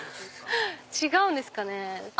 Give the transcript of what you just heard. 違うんですかね。